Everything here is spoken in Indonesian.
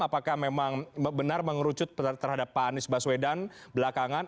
apakah memang benar mengerucut terhadap pak anies baswedan belakangan